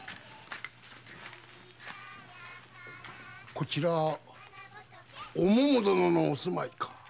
こちらはお桃殿のお住まいか？